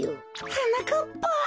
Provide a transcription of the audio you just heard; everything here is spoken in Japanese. はなかっぱ。